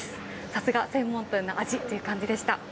さすが専門店の味という感じでした。